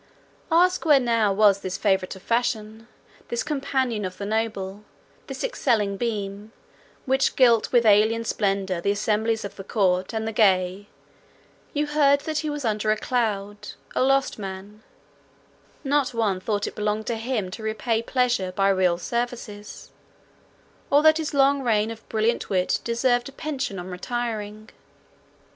Ask where now was this favourite of fashion, this companion of the noble, this excelling beam, which gilt with alien splendour the assemblies of the courtly and the gay—you heard that he was under a cloud, a lost man; not one thought it belonged to him to repay pleasure by real services, or that his long reign of brilliant wit deserved a pension on retiring.